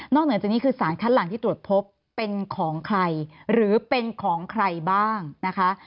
เหนือจากนี้คือสารคัดหลังที่ตรวจพบเป็นของใครหรือเป็นของใครบ้างนะคะ